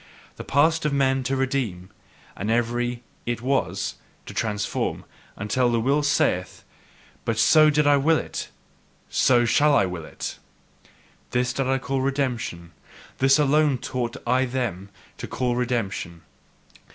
The past of man to redeem, and every "It was" to transform, until the Will saith: "But so did I will it! So shall I will it " This did I call redemption; this alone taught I them to call redemption.